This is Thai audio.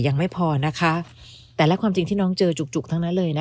ยังไม่พอนะคะแต่และความจริงที่น้องเจอจุกจุกทั้งนั้นเลยนะคะ